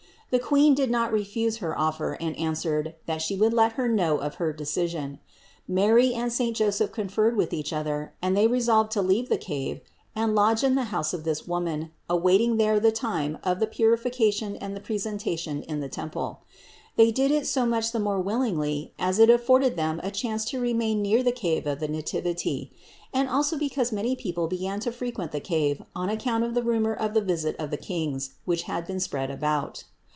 The Queen did not refuse her offer and answered, that She would let her know of her decision. Mary and saint Joseph conferred with each other and they resolved to leave the cave and lodge in the house of this woman, awaiting there the time of the THE INCARNATION 487 purification and the presentation in the temple. They did it so much the more willingly as it afforded them a chance to remain near the cave of the Nativity; and also because many people began to frequent the cave on ac count of the rumor of the visit of the Kings, which had been spread about.